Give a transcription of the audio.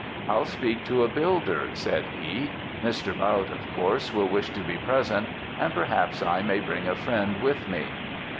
'I'll speak to a builder,' said he; 'Mr. Bautte, of course, will wish to be present; and, perhaps, I may bring a friend with me.'